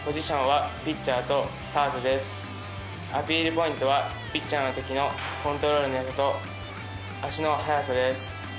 ポイントはピッチャーのときのコントロールの良さと足の速さです。